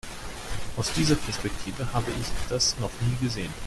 Aus dieser Perspektive habe ich das noch nie gesehen.